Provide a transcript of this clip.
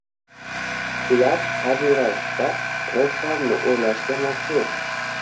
Ular, tabiiy ravishda, ro‘zg‘orni o‘ylashga majbur.